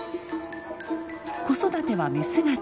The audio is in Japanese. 子育てはメスが中心。